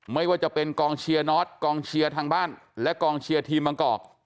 ไม่ว่าจะเป็นกองเชียร์นอทกองเชียร์ทางบ้านและกองเชียร์ทีมบางกอก